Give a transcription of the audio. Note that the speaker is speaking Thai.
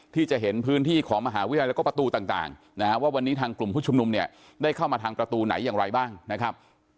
ที่จะเห็นพื้นที่ของมหาวิทยาลัยแล้วก็ประตูต่างนะฮะว่าวันนี้ทางกลุ่มผู้ชุมนุมเนี่ยได้เข้ามาทางประตูไหนอย่างไรบ้างนะครับ